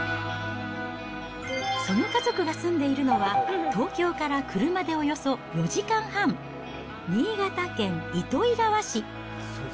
その家族が住んでいるのは、東京から車でおよそ４時間半、新潟県糸魚川市。